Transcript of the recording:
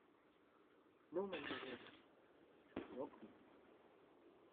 Non, mademoiselle… je vous en prie…